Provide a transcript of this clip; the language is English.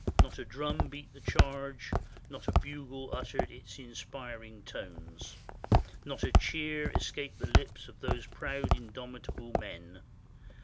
Not a drum beat the charge. Not a bugle uttered its inspiriting tones. Not a cheer escaped the lips of those proud, indomit able men.